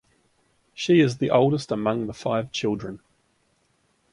She is the oldest among the five children.